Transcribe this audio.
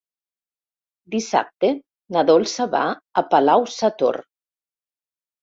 Dissabte na Dolça va a Palau-sator.